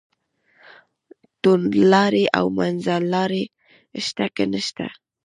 توندلاري او منځلاري شته که نشته.